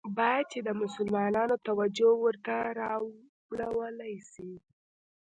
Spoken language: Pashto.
باید چي د مسلمانانو توجه ورته راوړوله سي.